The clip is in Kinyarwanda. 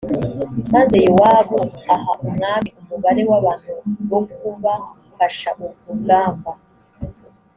maze yowabu aha umwami umubare w’abantu bokubafasha urugamba